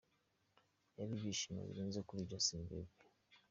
Byari ibyishimo birenze kuri Justin Bieber.